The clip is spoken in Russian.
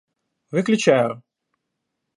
Выключаю